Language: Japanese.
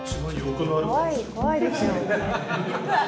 怖い怖いですよ。